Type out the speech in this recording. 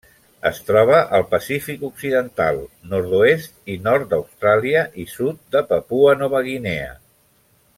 Es troba al Pacífic occidental: nord-oest i nord d'Austràlia i sud de Papua Nova Guinea.